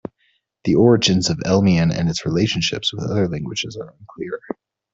The origins of Elymian and its relationships with other languages are unclear.